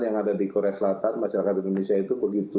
yang ada di korea selatan masyarakat indonesia itu begitu